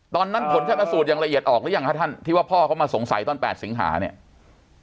ผลชนะสูตรอย่างละเอียดออกหรือยังครับท่านที่ว่าพ่อเขามาสงสัยตอน๘สิงหาเนี่ย